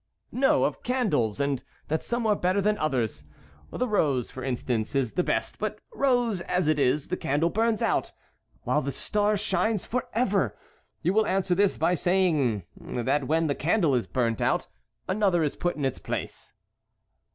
"No! of candles, and that some are better than others. The rose, for instance, is the best; but rose as it is, the candle burns out, while the star shines forever. You will answer this by saying that when the candle is burned out, another is put in its place."